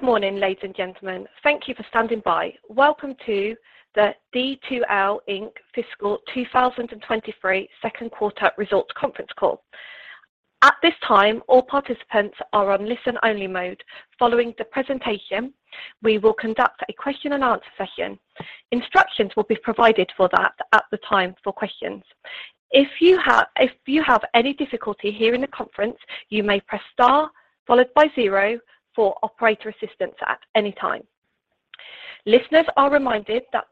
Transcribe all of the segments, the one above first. Good morning, ladies and gentlemen. Thank you for standing by. Welcome to the D2L Inc. Fiscal 2023 Q2 Results Conference Call. At this time, all participants are on listen-only mode. Following the presentation, we will conduct a question and answer session. Instructions will be provided for that at the time for questions. If you have any difficulty hearing the conference, you may press star followed by zero for operator assistance at any time. Listeners are reminded that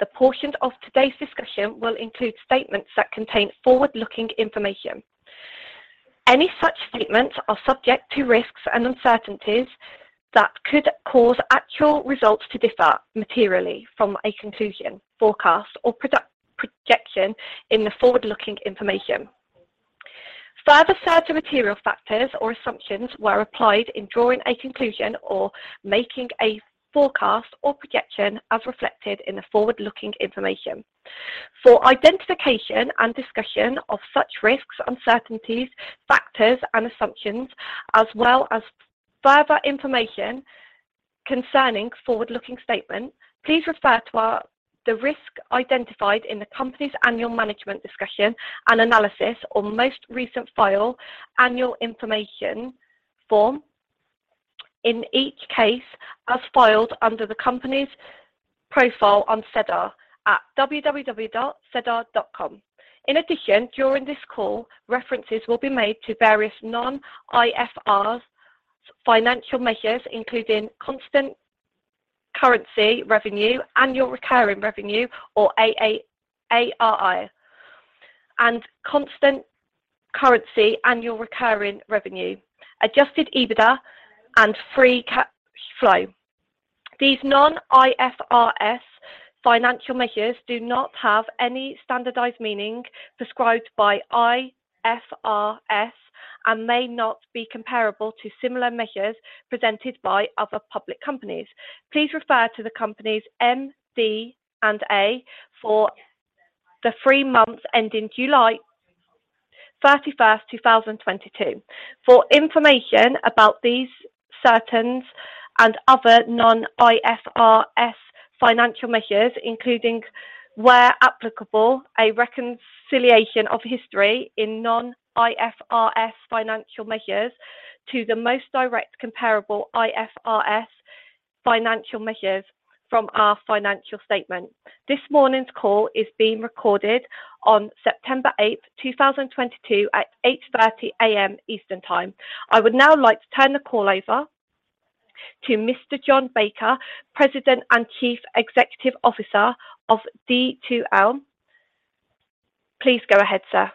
the portions of today's discussion will include statements that contain forward-looking information. Any such statements are subject to risks and uncertainties that could cause actual results to differ materially from a conclusion, forecast, or product projection in the forward-looking information. Further sets of material factors or assumptions were applied in drawing a conclusion or making a forecast or projection as reflected in the forward-looking information. For identification and discussion of such risks, uncertainties, factors, and assumptions, as well as further information concerning forward-looking statements, please refer to the risks identified in the company's annual management's discussion and analysis or most recent filed annual information form, in each case, as filed under the company's profile on SEDAR at www.sedar.com. In addition, during this call, references will be made to various non-IFRS financial measures, including constant currency revenue, annual recurring revenue or ARR, and constant currency annual recurring revenue, adjusted EBITDA and free cash flow. These non-IFRS financial measures do not have any standardized meaning prescribed by IFRS and may not be comparable to similar measures presented by other public companies. Please refer to the company's MD&A for the three months ending July 31st, 2022. For information about these statements and other non-IFRS financial measures, including, where applicable, a reconciliation of historical non-IFRS financial measures to the most directly comparable IFRS financial measures from our financial statements. This morning's call is being recorded on September 8th, 2022 at 8:30 A.M. Eastern Time. I would now like to turn the call over to Mr. John Baker, President and Chief Executive Officer of D2L. Please go ahead, sir.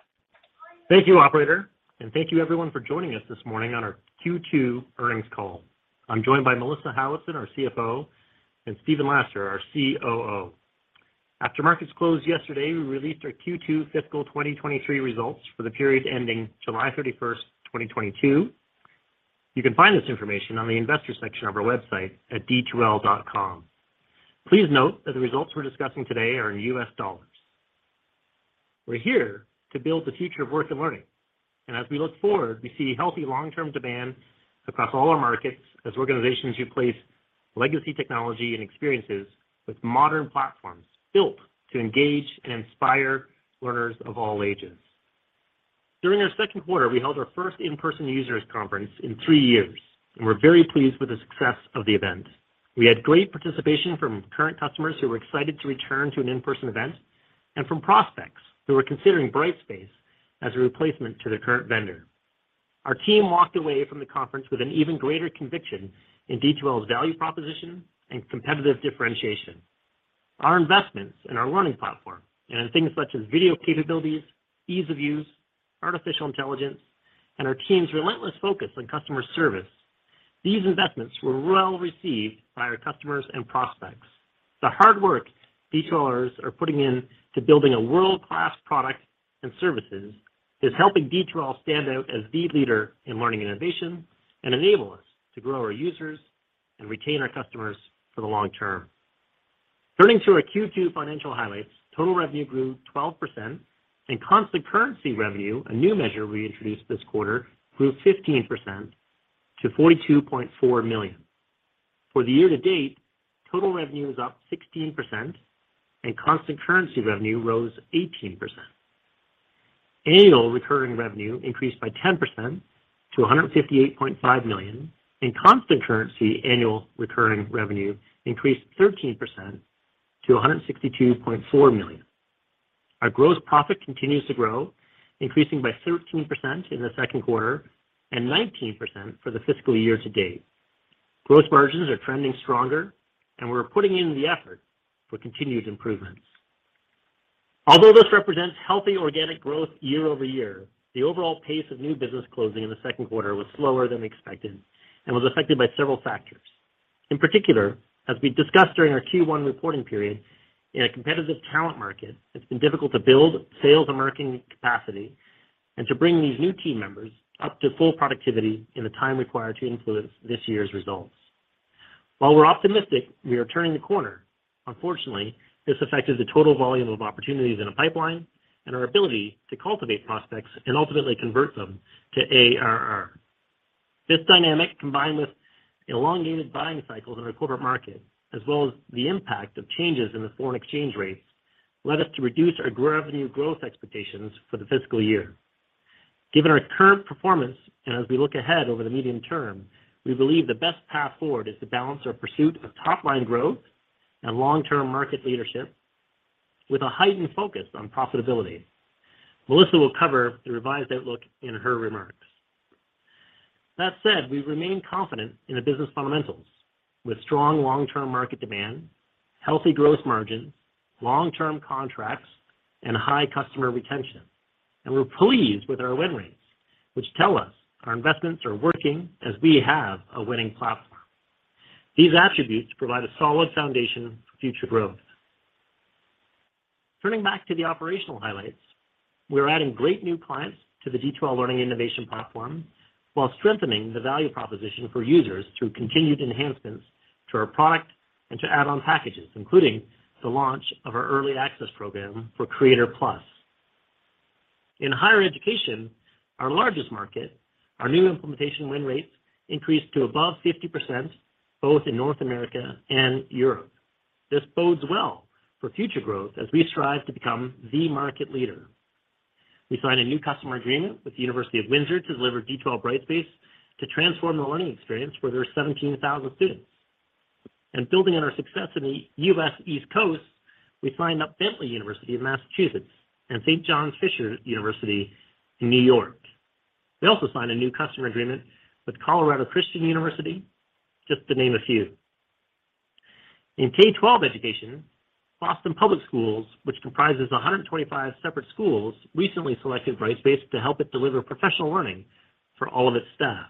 Thank you, operator, and thank you everyone for joining us this morning on our Q2 earnings call. I'm joined by Melissa Howatson, our CFO, and Stephen Laster, our COO. After markets closed yesterday, we released our Q2 fiscal 2023 results for the period ending July 31st, 2022. You can find this information on the investor section of our website at d2l.com. Please note that the results we're discussing today are in U.S. dollars. We're here to build the future of work and learning, and as we look forward, we see healthy long-term demand across all our markets as organizations replace legacy technology and experiences with modern platforms built to engage and inspire learners of all ages. During our Q2, we held our first in-person users conference in three years, and we're very pleased with the success of the event. We had great participation from current customers who were excited to return to an in-person event and from prospects who were considering Brightspace as a replacement to their current vendor. Our team walked away from the conference with an even greater conviction in D2L's value proposition and competitive differentiation. Our investments in our learning platform and in things such as video capabilities, ease of use, artificial intelligence, and our team's relentless focus on customer service. These investments were well received by our customers and prospects. The hard work D2Lers are putting in to building a world-class product and services is helping D2L stand out as the leader in learning innovation and enable us to grow our users and retain our customers for the long term. Turning to our Q2 financial highlights. Total revenue grew 12% and constant currency revenue, a new measure we introduced this quarter, grew 15% to $42.4 million. For the year to date, total revenue is up 16%, and constant currency revenue rose 18%. Annual recurring revenue increased by 10% to $158.5 million, and constant currency annual recurring revenue increased 13% to $162.4 million. Our gross profit continues to grow, increasing by 13% in the Q2 and 19% for the fiscal year to date. Gross margins are trending stronger, and we're putting in the effort for continued improvements. Although this represents healthy organic growth year over year, the overall pace of new business closing in the Q2 was slower than expected and was affected by several factors. In particular, as we discussed during our Q1 reporting period, in a competitive talent market, it's been difficult to build sales and marketing capacity and to bring these new team members up to full productivity in the time required to influence this year's results. While we're optimistic, we are turning the corner. Unfortunately, this affected the total volume of opportunities in a pipeline and our ability to cultivate prospects and ultimately convert them to ARR. This dynamic, combined with elongated buying cycles in our corporate market, as well as the impact of changes in the foreign exchange rates, led us to reduce our revenue growth expectations for the fiscal year. Given our current performance, and as we look ahead over the medium term, we believe the best path forward is to balance our pursuit of top-line growth and long-term market leadership with a heightened focus on profitability. Melissa will cover the revised outlook in her remarks. That said, we remain confident in the business fundamentals with strong long-term market demand, healthy gross margins, long-term contracts, and high customer retention. We're pleased with our win rates, which tell us our investments are working as we have a winning platform. These attributes provide a solid foundation for future growth. Turning back to the operational highlights, we're adding great new clients to the D2L learning innovation platform while strengthening the value proposition for users through continued enhancements to our product and to add-on packages, including the launch of our early access program for Creator+. In higher education, our largest market, our new implementation win rates increased to above 50%, both in North America and Europe. This bodes well for future growth as we strive to become the market leader. We signed a new customer agreement with the University of Windsor to deliver D2L Brightspace to transform the learning experience for their 17,000 students. Building on our success in the U.S. East Coast, we signed up Bentley University in Massachusetts and St. John Fisher University in New York. We also signed a new customer agreement with Colorado Christian University, just to name a few. In K12 education, Boston Public Schools, which comprises 125 separate schools, recently selected Brightspace to help it deliver professional learning for all of its staff.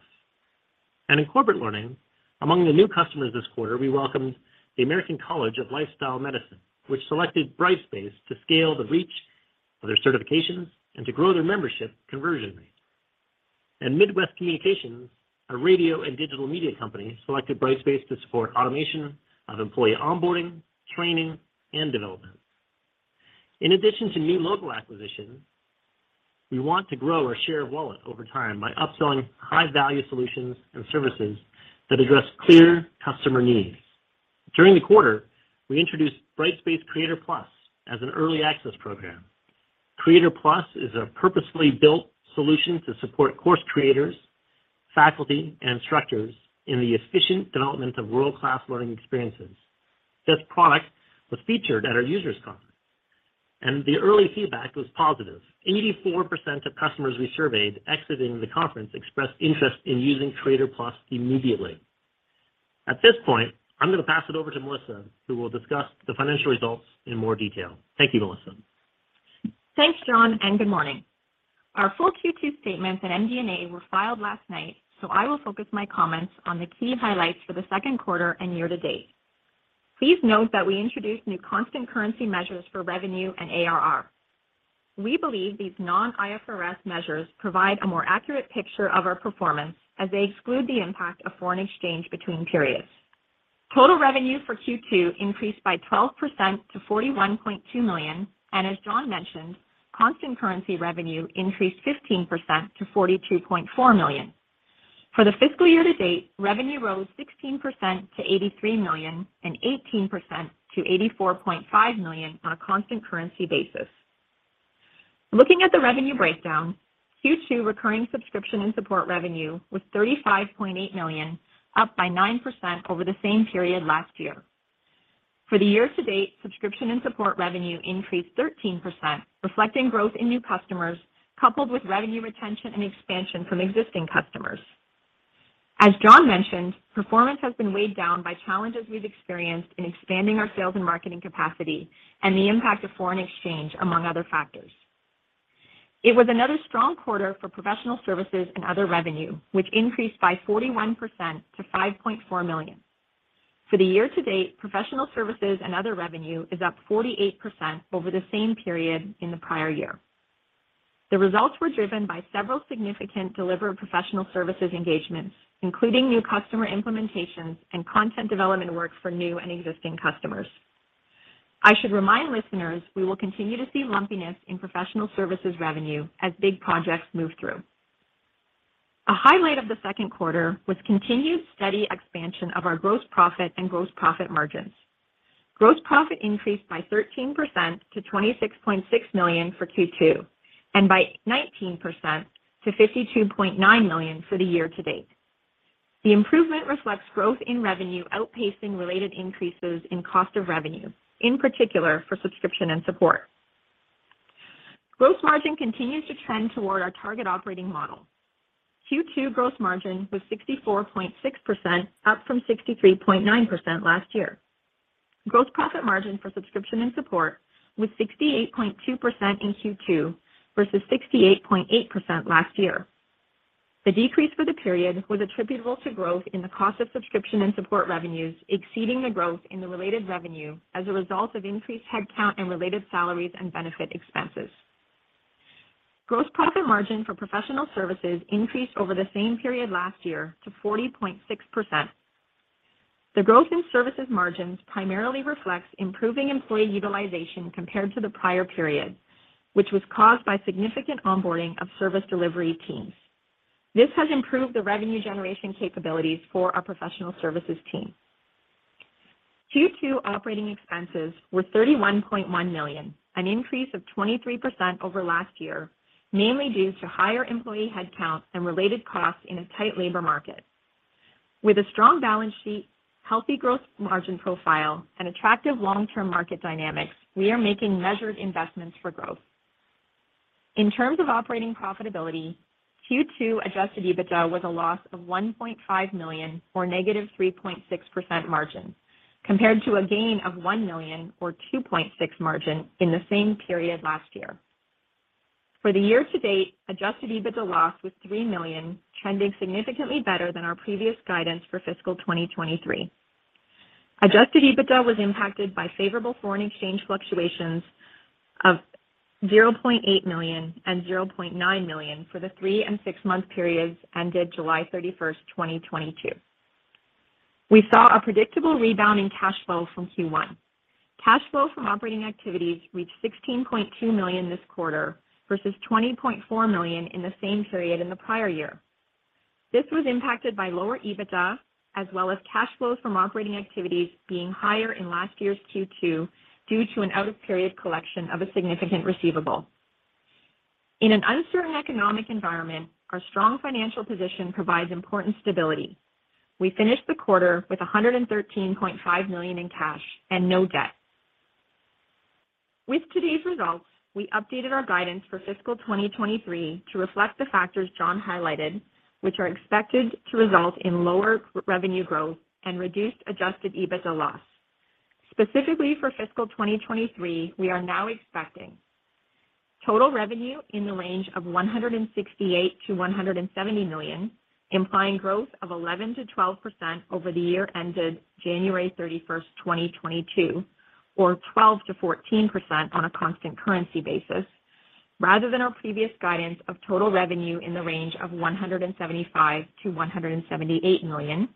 In corporate learning, among the new customers this quarter, we welcomed the American College of Lifestyle Medicine, which selected Brightspace to scale the reach of their certifications and to grow their membership conversion rate. Midwest Communications, a radio and digital media company, selected Brightspace to support automation of employee onboarding, training, and development. In addition to new logo acquisition, we want to grow our share of wallet over time by upselling high-value solutions and services that address clear customer needs. During the quarter, we introduced Brightspace Creator+ as an early access program. Creator+ is a purpose-built solution to support course creators, faculty, and instructors in the efficient development of world-class learning experiences. This product was featured at our users conference, and the early feedback was positive. 84% of customers we surveyed exiting the conference expressed interest in using Creator+ immediately. At this point, I'm going to pass it over to Melissa, who will discuss the financial results in more detail. Thank you, Melissa. Thanks, John, and good morning. Our full Q2 statements and MD&A were filed last night, so I will focus my comments on the key highlights for the Q2 and year to date. Please note that we introduced new constant currency measures for revenue and ARR. We believe these non-IFRS measures provide a more accurate picture of our performance as they exclude the impact of foreign exchange between periods. Total revenue for Q2 increased by 12% to $41.2 million, and as John mentioned, constant currency revenue increased 15% to $42.4 million. For the fiscal year to date, revenue rose 16% to $83 million and 18% to $84.5 million on a constant currency basis. Looking at the revenue breakdown, Q2 recurring subscription and support revenue was $35.8 million, up by 9% over the same period last year. For the year to date, subscription and support revenue increased 13%, reflecting growth in new customers coupled with revenue retention and expansion from existing customers. As John mentioned, performance has been weighed down by challenges we've experienced in expanding our sales and marketing capacity and the impact of foreign exchange, among other factors. It was another strong quarter for professional services and other revenue, which increased by 41% to $5.4 million. For the year to date, professional services and other revenue is up 48% over the same period in the prior year. The results were driven by several significant delivered professional services engagements, including new customer implementations and content development work for new and existing customers. I should remind listeners we will continue to see lumpiness in professional services revenue as big projects move through. A highlight of the Q2 was continued steady expansion of our gross profit and gross profit margins. Gross profit increased by 13% to $26.6 million for Q2 and by 19% to $52.9 million for the year to date. The improvement reflects growth in revenue outpacing related increases in cost of revenue, in particular for subscription and support. Gross margin continues to trend toward our target operating model. Q2 gross margin was 64.6%, up from 63.9% last year. Gross profit margin for subscription and support was 68.2% in Q2 versus 68.8% last year. The decrease for the period was attributable to growth in the cost of subscription and support revenues exceeding the growth in the related revenue as a result of increased headcount and related salaries and benefit expenses. Gross profit margin for professional services increased over the same period last year to 40.6%. The growth in services margins primarily reflects improving employee utilization compared to the prior period, which was caused by significant onboarding of service delivery teams. This has improved the revenue generation capabilities for our professional services team. Q2 operating expenses were $31.1 million, an increase of 23% over last year, mainly due to higher employee headcount and related costs in a tight labor market. With a strong balance sheet, healthy growth margin profile, and attractive long-term market dynamics, we are making measured investments for growth. In terms of operating profitability, Q2 adjusted EBITDA was a loss of $1.5 million, or -3.6% margin, compared to a gain of $1 million or 2.6% margin in the same period last year. For the year to date, adjusted EBITDA loss was $3 million, trending significantly better than our previous guidance for fiscal 2023. Adjusted EBITDA was impacted by favorable foreign exchange fluctuations of $0.8 million and $0.9 million for the three- and six-month periods ended July 31st, 2022. We saw a predictable rebound in cash flow from Q1. Cash flow from operating activities reached $16.2 million this quarter versus $20.4 million in the same period in the prior year. This was impacted by lower EBITDA as well as cash flow from operating activities being higher in last year's Q2 due to an out-of-period collection of a significant receivable. In an uncertain economic environment, our strong financial position provides important stability. We finished the quarter with $113.5 million in cash and no debt. With today's results, we updated our guidance for fiscal 2023 to reflect the factors John highlighted, which are expected to result in lower revenue growth and reduced adjusted EBITDA loss. Specifically for fiscal 2023, we are now expecting total revenue in the range of $168 million-$170 million, implying growth of 11%-12% over the year ended January 31st, 2022, or 12%-14% on a constant currency basis rather than our previous guidance of total revenue in the range of $175 million-$178 million.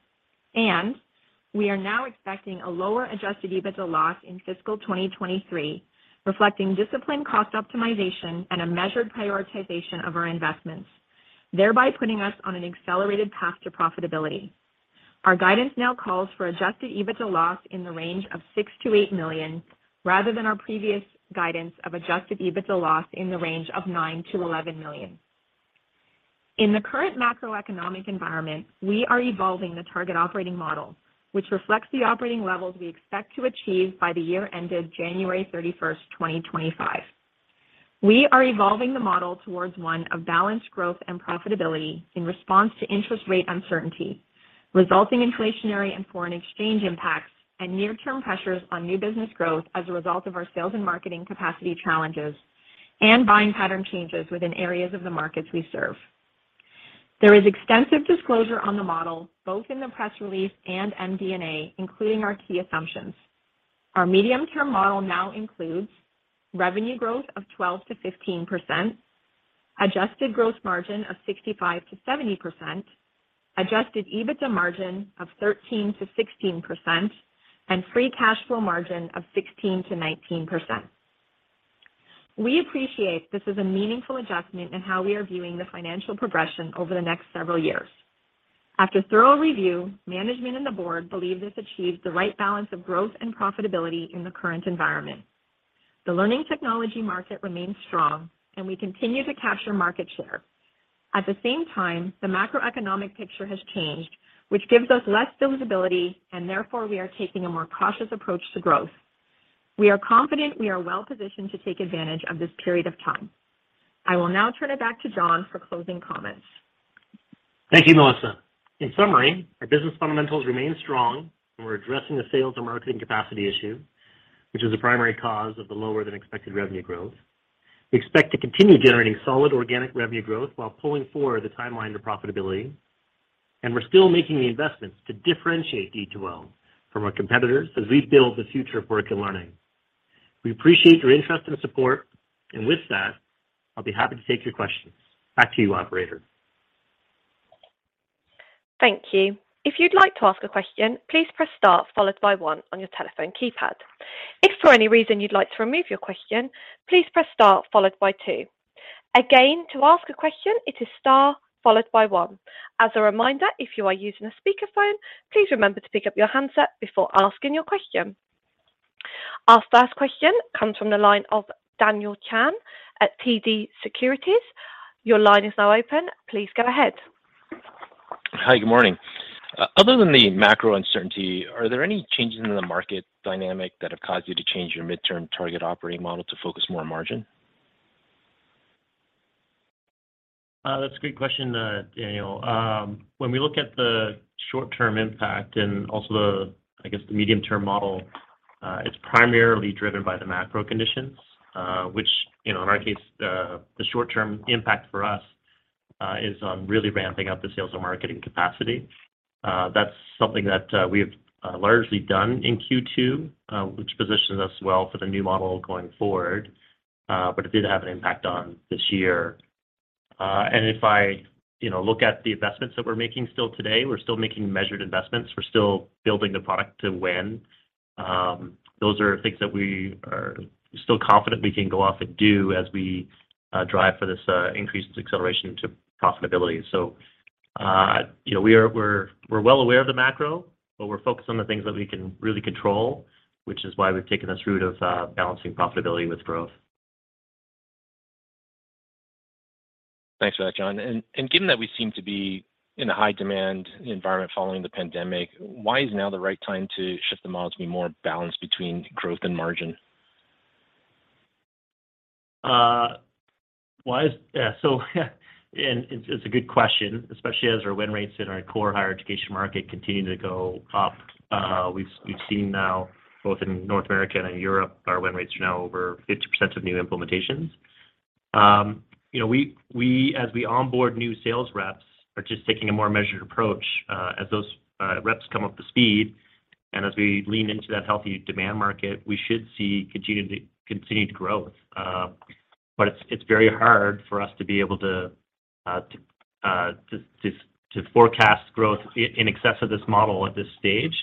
We are now expecting a lower adjusted EBITDA loss in fiscal 2023, reflecting disciplined cost optimization and a measured prioritization of our investments, thereby putting us on an accelerated path to profitability. Our guidance now calls for adjusted EBITDA loss in the range of $6 million-$8 million rather than our previous guidance of adjusted EBITDA loss in the range of $9 million-$11 million. In the current macroeconomic environment, we are evolving the target operating model, which reflects the operating levels we expect to achieve by the year ended January 31st, 2025. We are evolving the model towards one of balanced growth and profitability in response to interest rate uncertainty, resulting inflationary and foreign exchange impacts, and near-term pressures on new business growth as a result of our sales and marketing capacity challenges and buying pattern changes within areas of the markets we serve. There is extensive disclosure on the model, both in the press release and MD&A, including our key assumptions. Our medium-term model now includes revenue growth of 12%-15%, adjusted gross margin of 65%-70%, adjusted EBITDA margin of 13%-16%, and free cash flow margin of 16%-19%. We appreciate this is a meaningful adjustment in how we are viewing the financial progression over the next several years. After thorough review, management and the board believe this achieves the right balance of growth and profitability in the current environment. The learning technology market remains strong, and we continue to capture market share. At the same time, the macroeconomic picture has changed, which gives us less visibility and therefore we are taking a more cautious approach to growth. We are confident we are well positioned to take advantage of this period of time. I will now turn it back to John for closing comments. Thank you, Melissa. In summary, our business fundamentals remain strong, and we're addressing the sales and marketing capacity issue, which is the primary cause of the lower-than-expected revenue growth. We expect to continue generating solid organic revenue growth while pulling forward the timeline to profitability, and we're still making the investments to differentiate D2L from our competitors as we build the future of work and learning. We appreciate your interest and support, and with that, I'll be happy to take your questions. Back to you, operator. Thank you. If you'd like to ask a question, please press star followed by one on your telephone keypad. If for any reason you'd like to remove your question, please press star followed by two. Again, to ask a question, it is star followed by one. As a reminder, if you are using a speakerphone, please remember to pick up your handset before asking your question. Our first question comes from the line of Daniel Chan at TD Securities. Your line is now open. Please go ahead. Hi. Good morning. Other than the macro uncertainty, are there any changes in the market dynamic that have caused you to change your midterm target operating model to focus more on margin? That's a great question, Daniel. When we look at the short-term impact and also the, I guess, the medium-term model, it's primarily driven by the macro conditions, which, you know, in our case, the short-term impact for us. Is on really ramping up the sales and marketing capacity. That's something that we have largely done in Q2, which positions us well for the new model going forward. It did have an impact on this year. If I, you know, look at the investments that we're making still today, we're still making measured investments. We're still building the product to win. Those are things that we are still confident we can go off and do as we drive for this increased acceleration to profitability. You know, we are well aware of the macro, but we're focused on the things that we can really control, which is why we've taken this route of balancing profitability with growth. Thanks for that, John. Given that we seem to be in a high demand environment following the pandemic, why is now the right time to shift the model to be more balanced between growth and margin? It's a good question, especially as our win rates in our core higher education market continue to go up. We've seen now both in North America and in Europe, our win rates are now over 50% of new implementations. You know, as we onboard new sales reps are just taking a more measured approach, as reps come up to speed, and as we lean into that healthy demand market, we should see continued growth. It's very hard for us to be able to forecast growth in excess of this model at this stage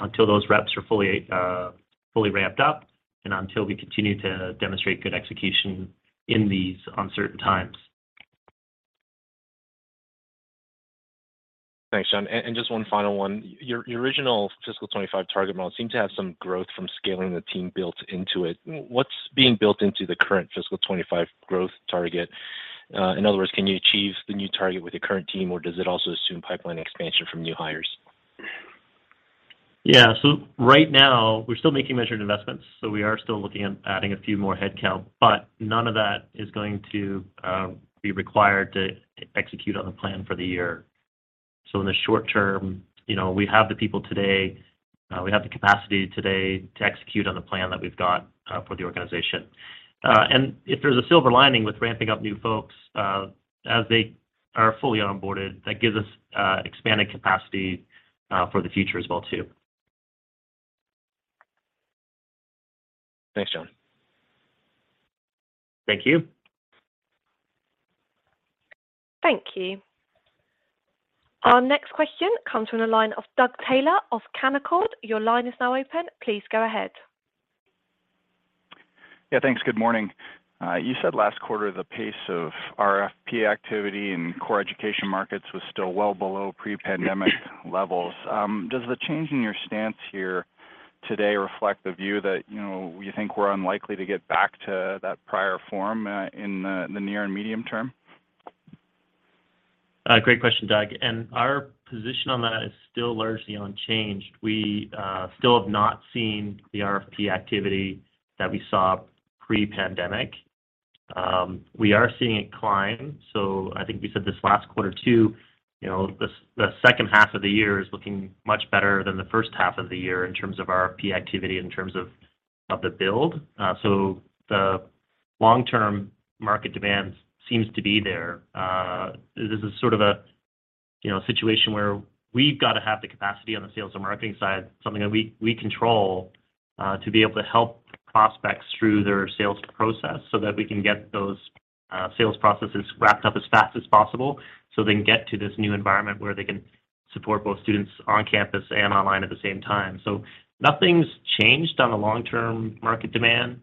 until those reps are fully ramped up and until we continue to demonstrate good execution in these uncertain times. Thanks, John. Just one final one. Your original fiscal 25 target model seemed to have some growth from scaling the team built into it. What's being built into the current fiscal 25 growth target? In other words, can you achieve the new target with the current team, or does it also assume pipeline expansion from new hires? Yeah. Right now we're still making measured investments, so we are still looking at adding a few more headcount, but none of that is going to be required to execute on the plan for the year. In the short term, you know, we have the people today, we have the capacity today to execute on the plan that we've got for the organization. If there's a silver lining with ramping up new folks, as they are fully onboarded, that gives us expanded capacity for the future as well too. Thanks, John. Thank you. Thank you. Our next question comes from the line of Doug Taylor of Canaccord. Your line is now open. Please go ahead. Yeah, thanks. Good morning. You said last quarter the pace of RFP activity in core education markets was still well below pre-pandemic levels. Does the change in your stance here today reflect the view that, you know, you think we're unlikely to get back to that prior form in the near and medium term? Great question, Doug. Our position on that is still largely unchanged. We still have not seen the RFP activity that we saw pre-pandemic. We are seeing it climb. I think we said this last quarter too, you know, the H2 of the year is looking much better than the H1 of the year in terms of RFP activity, in terms of the build. The long-term market demands seems to be there. This is sort of a, you know, situation where we've got to have the capacity on the sales and marketing side, something that we control, to be able to help prospects through their sales process so that we can get those sales processes wrapped up as fast as possible, so they can get to this new environment where they can support both students on campus and online at the same time. Nothing's changed on the long-term market demand,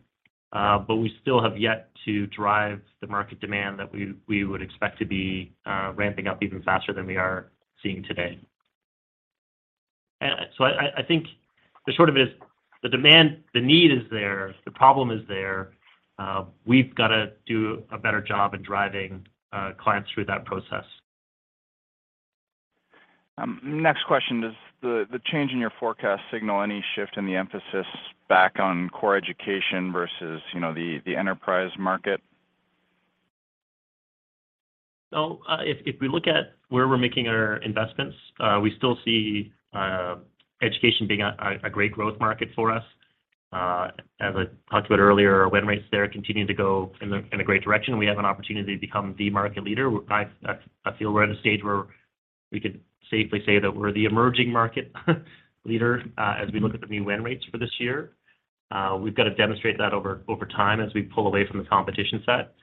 but we still have yet to drive the market demand that we would expect to be ramping up even faster than we are seeing today. I think the short of it is the demand, the need is there, the problem is there. We've got to do a better job in driving clients through that process. Next question. Does the change in your forecast signal any shift in the emphasis back on core education versus, you know, the enterprise market? If we look at where we're making our investments, we still see education being a great growth market for us. As I talked about earlier, our win rates there continue to go in a great direction. We have an opportunity to become the market leader. I feel we're at a stage where we could safely say that we're the emerging market leader, as we look at the new win rates for this year. We've got to demonstrate that over time as we pull away from the competition set.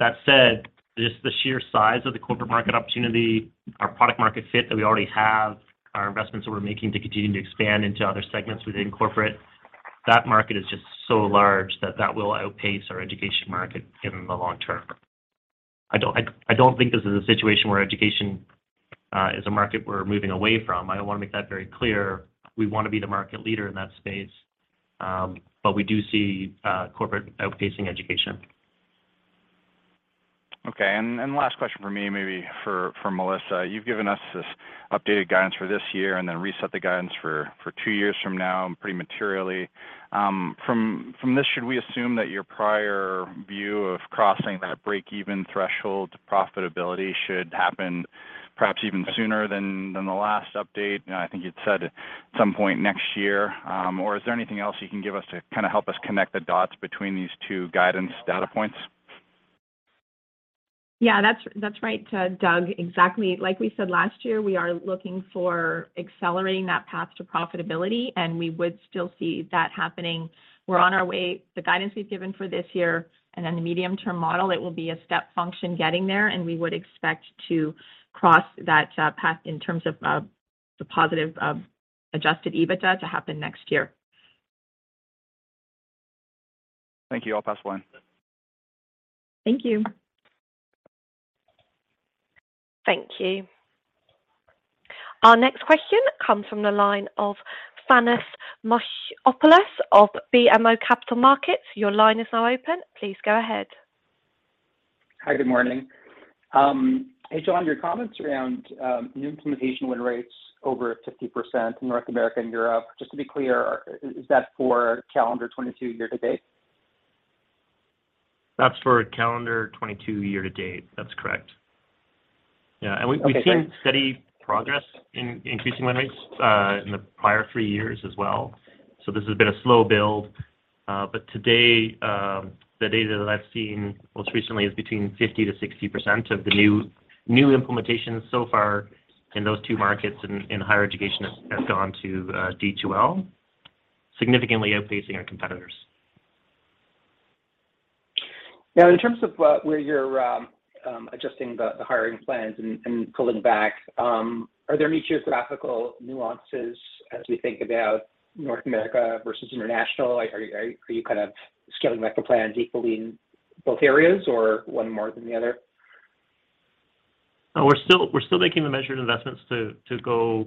That said, just the sheer size of the corporate market opportunity, our product market fit that we already have, our investments that we're making to continue to expand into other segments within corporate, that market is just so large that that will outpace our education market in the long term. I don't think this is a situation where education is a market we're moving away from. I want to make that very clear. We want to be the market leader in that space, but we do see corporate outpacing education. Okay. Last question from me, maybe for Melissa. You've given us this updated guidance for this year and then reset the guidance for two years from now pretty materially. From this, should we assume that your prior view of crossing that breakeven threshold to profitability should happen. Perhaps even sooner than the last update. You know, I think you'd said some point next year. Or is there anything else you can give us to kinda help us connect the dots between these two guidance data points? Yeah, that's right, Doug. Exactly. Like we said last year, we are looking for accelerating that path to profitability, and we would still see that happening. We're on our way. The guidance we've given for this year and then the medium-term model, it will be a step function getting there, and we would expect to cross that path in terms of the positive adjusted EBITDA to happen next year. Thank you. I'll pass the line. Thank you. Thank you. Our next question comes from the line of Thanos Moschopoulos of BMO Capital Markets. Your line is now open. Please go ahead. Hi, good morning. Hey, John, your comments around new implementation win rates over 50% in North America and Europe, just to be clear, is that for calendar 2022 year to date? That's for calendar 2022 year to date. That's correct. Yeah. Okay, great. We've seen steady progress in increasing win rates in the prior three years as well. This has been a slow build. Today, the data that I've seen most recently is between 50%-60% of the new implementations so far in those two markets in higher education have gone to D2L, significantly outpacing our competitors. Now in terms of where you're adjusting the hiring plans and pulling back, are there geographical nuances as we think about North America versus international? Like, are you kind of scaling back the plans equally in both areas or one more than the other? No, we're still making the measured investments to go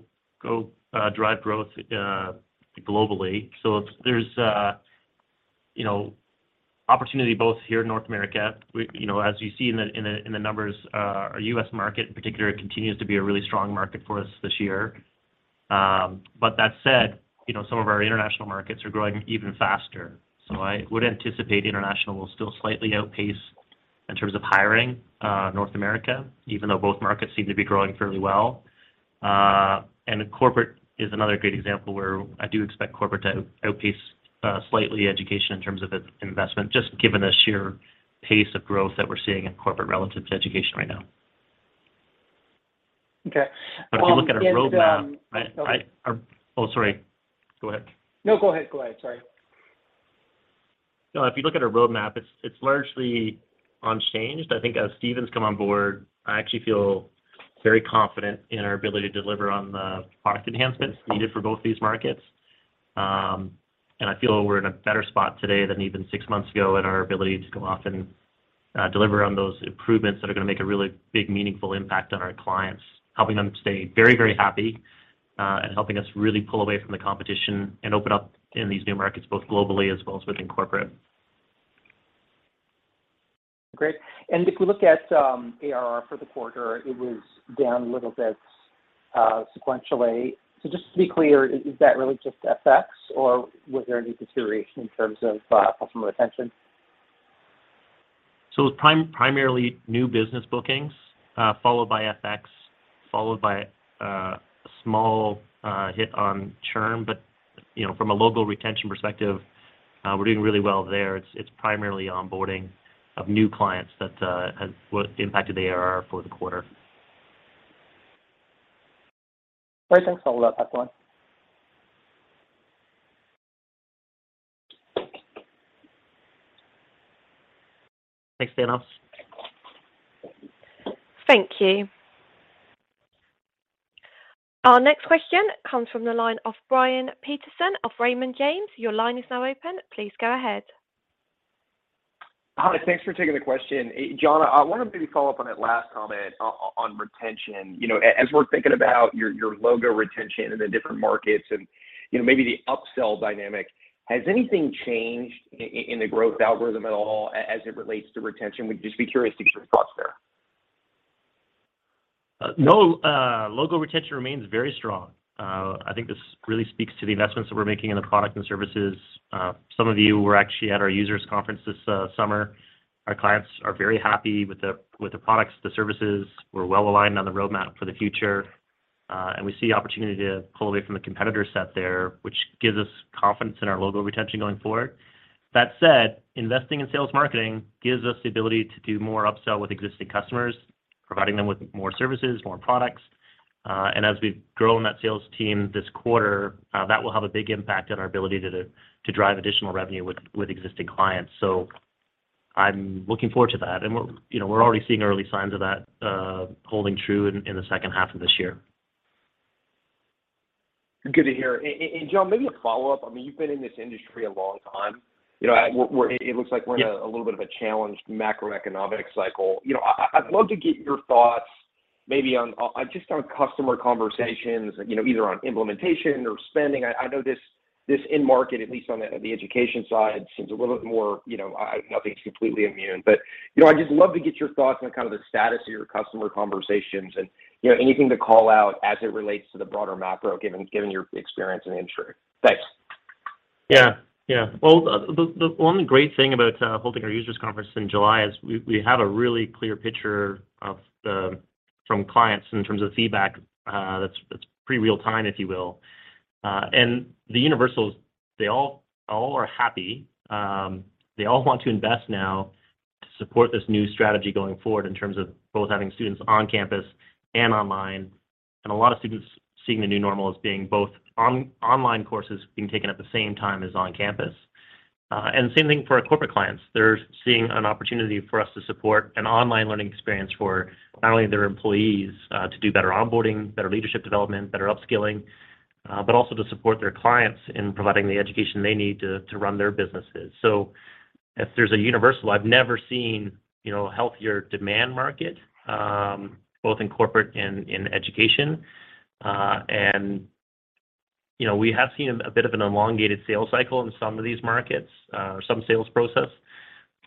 drive growth globally. There's, you know, opportunity both here in North America. You know, as you see in the numbers, our U.S. market in particular continues to be a really strong market for us this year. That said, you know, some of our international markets are growing even faster. I would anticipate international will still slightly outpace in terms of hiring North America, even though both markets seem to be growing fairly well. Corporate is another great example where I do expect corporate to outpace slightly education in terms of its investment, just given the sheer pace of growth that we're seeing in corporate relative to education right now. Okay. If you look at our roadmap. Oh, sorry. Go ahead. No, go ahead. Sorry. No, if you look at our roadmap, it's largely unchanged. I think as Stephen's come on board, I actually feel very confident in our ability to deliver on the product enhancements needed for both these markets. I feel we're in a better spot today than even six months ago in our ability to go off and deliver on those improvements that are gonna make a really big, meaningful impact on our clients, helping them stay very, very happy, and helping us really pull away from the competition and open up in these new markets, both globally as well as within corporate. Great. If we look at ARR for the quarter, it was down a little bit sequentially. Just to be clear, is that really just FX, or was there any deterioration in terms of customer retention? It was primarily new business bookings, followed by FX, followed by a small hit on churn. You know, from a logo retention perspective, we're doing really well there. It's primarily onboarding of new clients that, what impacted the ARR for the quarter. Great. Thanks a lot. I'll pass the line. Thanks, Thanos. Thank you. Our next question comes from the line of Brian Peterson of Raymond James. Your line is now open. Please go ahead. Hi. Thanks for taking the question. John, I wanted to maybe follow up on that last comment on retention. You know, as we're thinking about your logo retention in the different markets and, you know, maybe the upsell dynamic, has anything changed in the growth algorithm at all as it relates to retention? Would just be curious to get your thoughts there. No. Logo retention remains very strong. I think this really speaks to the investments that we're making in the product and services. Some of you were actually at our users conference this summer. Our clients are very happy with the products, the services. We're well aligned on the roadmap for the future, and we see opportunity to pull away from the competitor set there, which gives us confidence in our logo retention going forward. That said, investing in sales marketing gives us the ability to do more upsell with existing customers, providing them with more services, more products. As we've grown that sales team this quarter, that will have a big impact on our ability to drive additional revenue with existing clients. I'm looking forward to that. You know, we're already seeing early signs of that holding true in the H2 of this year. Good to hear. John, maybe a follow-up. I mean, you've been in this industry a long time. You know, it looks like we're in a little bit of a challenged macroeconomic cycle. You know, I'd love to get your thoughts maybe on just on customer conversations, you know, either on implementation or spending. I know this end market, at least on the education side, seems a little bit more, you know. Nothing's completely immune, but, you know, I'd just love to get your thoughts on kind of the status of your customer conversations and, you know, anything to call out as it relates to the broader macro, given your experience in the industry. Thanks. Well, one great thing about holding our users conference in July is we have a really clear picture from clients in terms of feedback, that's pretty real time, if you will. The universities, they are happy. They all want to invest now to support this new strategy going forward in terms of both having students on campus and online, and a lot of students seeing the new normal as being both online courses being taken at the same time as on campus. Same thing for our corporate clients. They're seeing an opportunity for us to support an online learning experience for not only their employees, to do better onboarding, better leadership development, better upskilling, but also to support their clients in providing the education they need to run their businesses. I've never seen, you know, healthier demand in the market both in corporate and in education. We have seen a bit of an elongated sales cycle in some of these markets,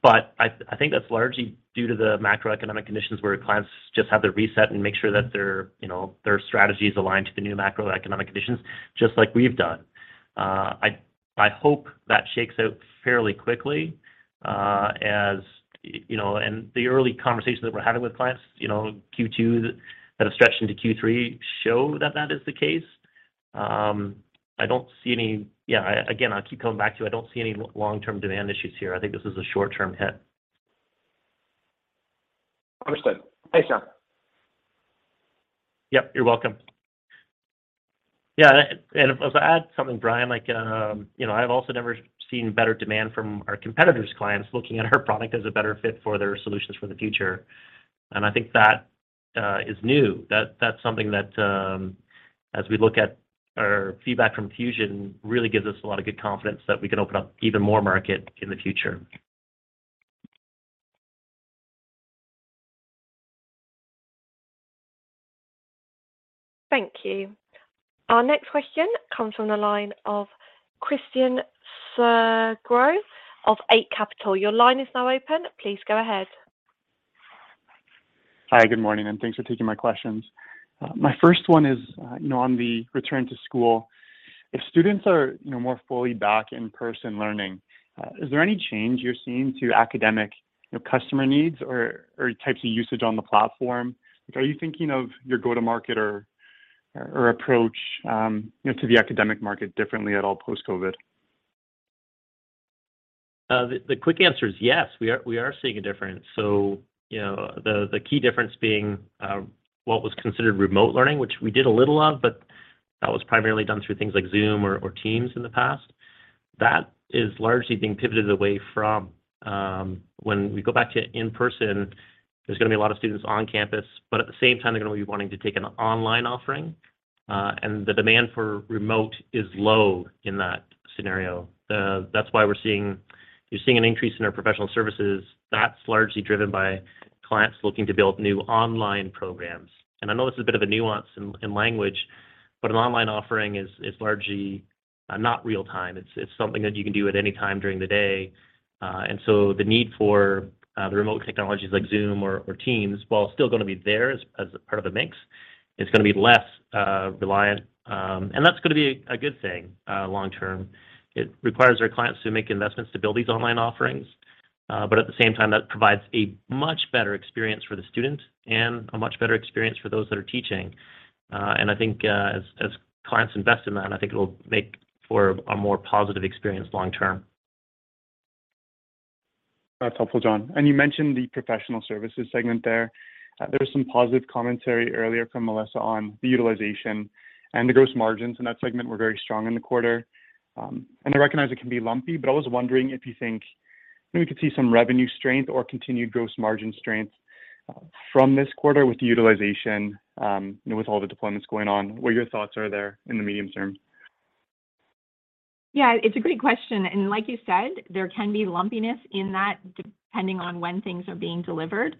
but I think that's largely due to the macroeconomic conditions where clients just have to reset and make sure that their, you know, their strategies align to the new macroeconomic conditions, just like we've done. I hope that shakes out fairly quickly, as you know, the early conversations that we're having with clients, you know, Q2 that have stretched into Q3 show that that is the case. I keep coming back to, I don't see any long-term demand issues here. I think this is a short-term hit. Understood. Thanks, John. Yep, you're welcome. Yeah, if I add something, Brian, like, I've also never seen better demand from our competitors' clients looking at our product as a better fit for their solutions for the future, and I think that is new. That's something that, as we look at our feedback from Fusion, really gives us a lot of good confidence that we can open up even more market in the future. Thank you. Our next question comes from the line of Christian Sgro of Eight Capital. Your line is now open. Please go ahead. Hi, good morning, and thanks for taking my questions. My first one is, you know, on the return to school. If students are, you know, more fully back in person learning, is there any change you're seeing to academic, you know, customer needs or types of usage on the platform? Are you thinking of your go-to-market or approach, you know, to the academic market differently at all post-COVID? The quick answer is yes. We are seeing a difference. You know, the key difference being what was considered remote learning, which we did a little of, but that was primarily done through things like Zoom or Teams in the past. That is largely being pivoted away from when we go back to in person. There's gonna be a lot of students on campus, but at the same time, they're gonna be wanting to take an online offering, and the demand for remote is low in that scenario. That's why you're seeing an increase in our professional services. That's largely driven by clients looking to build new online programs. I know this is a bit of a nuance in language, but an online offering is largely not real time. It's something that you can do at any time during the day, and so the need for the remote technologies like Zoom or Teams, while still gonna be there as part of the mix, it's gonna be less reliant, and that's gonna be a good thing long term. It requires our clients to make investments to build these online offerings, but at the same time, that provides a much better experience for the student and a much better experience for those that are teaching. I think, as clients invest in that, I think it'll make for a more positive experience long term. That's helpful, John. You mentioned the professional services segment there. There was some positive commentary earlier from Melissa on the utilization and the gross margins in that segment were very strong in the quarter. I recognize it can be lumpy, but I was wondering if you think, you know, we could see some revenue strength or continued gross margin strength, from this quarter with the utilization, you know, with all the deployments going on, what your thoughts are there in the medium term? Yeah, it's a great question. Like you said, there can be lumpiness in that depending on when things are being delivered.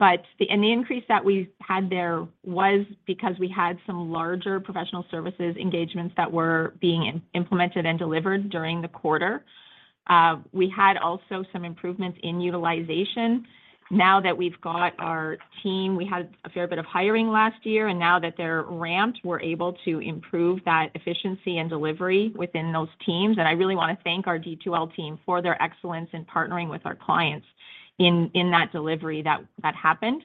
The increase that we had there was because we had some larger professional services engagements that were being implemented and delivered during the quarter. We had also some improvements in utilization. Now that we've got our team, we had a fair bit of hiring last year, and now that they're ramped, we're able to improve that efficiency and delivery within those teams. I really wanna thank our D2L team for their excellence in partnering with our clients in that delivery that happened.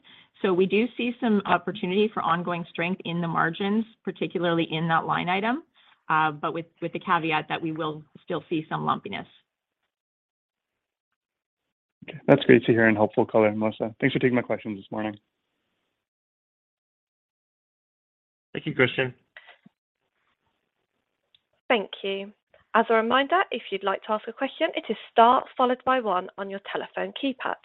We do see some opportunity for ongoing strength in the margins, particularly in that line item, but with the caveat that we will still see some lumpiness. That's great to hear and helpful color, Melissa. Thanks for taking my questions this morning. Thank you, Christian. Thank you. As a reminder, if you'd like to ask a question, it is star followed by one on your telephone keypad.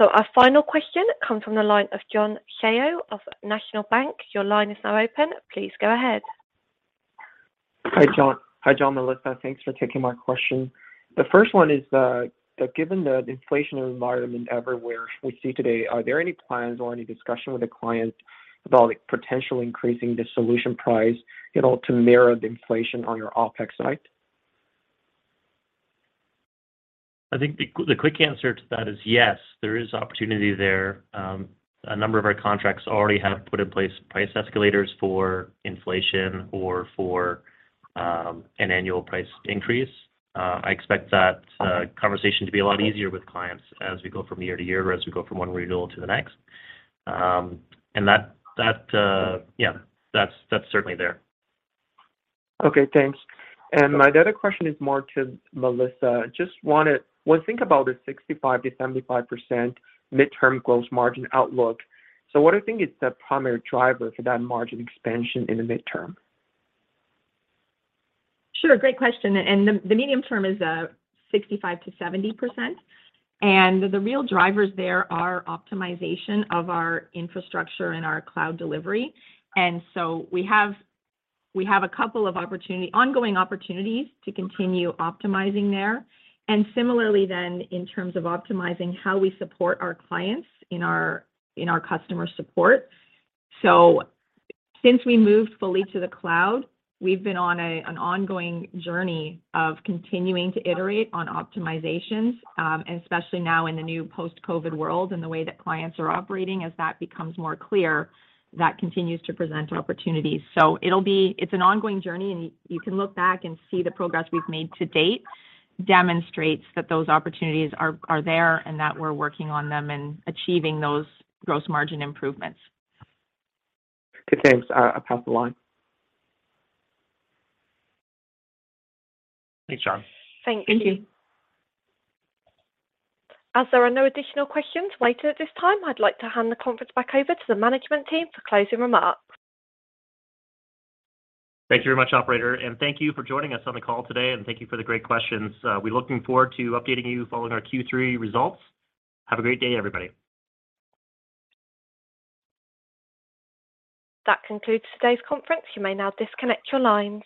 Our final question comes from the line of John Shao of National Bank. Your line is now open. Please go ahead. Hi, John. Hi, John, Melissa. Thanks for taking my question. The first one is, given the inflation environment everywhere we see today, are there any plans or any discussion with the clients about potentially increasing the solution price at all to mirror the inflation on your OpEx side? I think the quick answer to that is yes, there is opportunity there. A number of our contracts already have put in place price escalators for inflation or for an annual price increase. I expect that conversation to be a lot easier with clients as we go from year to year or as we go from one renewal to the next. Yeah, that's certainly there. Okay, thanks. My other question is more to Melissa. When you think about the 65%-75% midterm gross margin outlook, what do you think is the primary driver for that margin expansion in the midterm? Sure. Great question. The medium term is 65%-70%. The real drivers there are optimization of our infrastructure and our cloud delivery. We have ongoing opportunities to continue optimizing there. In terms of optimizing how we support our clients in our customer support. Since we moved fully to the cloud, we've been on an ongoing journey of continuing to iterate on optimizations, and especially now in the new post-COVID world and the way that clients are operating. As that becomes more clear, that continues to present opportunities. It's an ongoing journey, and you can look back and see the progress we've made to date demonstrates that those opportunities are there and that we're working on them and achieving those gross margin improvements. Okay, thanks. I'll pass the line. Thanks, John. Thank you. Thank you. As there are no additional questions waiting at this time, I'd like to hand the conference back over to the management team for closing remarks. Thank you very much, operator, and thank you for joining us on the call today, and thank you for the great questions. We're looking forward to updating you following our Q3 results. Have a great day, everybody. That concludes today's conference. You may now disconnect your lines.